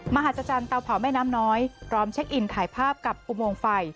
มหาศจรรย์เตาเผาแม่น้ำน้อยพร้อมเช็คอินถ่ายภาพกับอุโมงไฟ